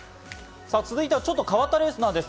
続いてはちょっと変わったレースなんです。